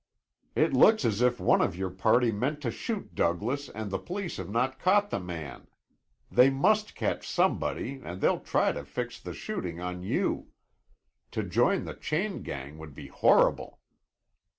"It looks as if one of your party meant to shoot Douglas and the police have not caught the man. They must catch somebody and they'll try to fix the shooting on you. To join the chain gang would be horrible."